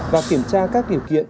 và kiểm tra các điều kiện